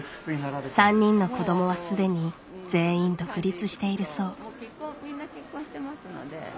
３人の子どもはすでに全員独立しているそう。